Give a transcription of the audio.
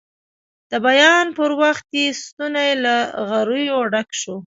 د بیان پر وخت یې ستونی له غریو ډک شو.